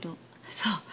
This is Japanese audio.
そう。